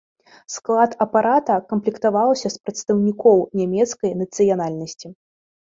Склад апарата камплектаваўся з прадстаўнікоў нямецкай нацыянальнасці.